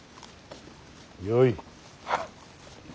よい。